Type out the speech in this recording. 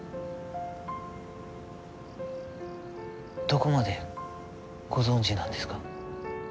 どこまでご存じなんですか？